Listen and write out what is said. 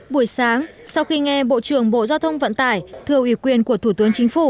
buổi sáng sau khi nghe bộ trưởng bộ giao thông vận tải thừa ủy quyền của thủ tướng chính phủ